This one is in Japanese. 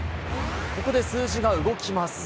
ここで数字が動きます。